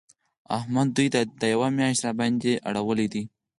احمد دوی دا یوه مياشت راباندې اړولي دي.